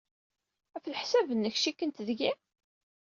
Ɣef leḥsab-nnek, cikkent deg-i?